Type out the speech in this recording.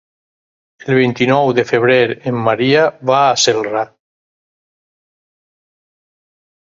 El vint-i-nou de febrer en Maria va a Celrà.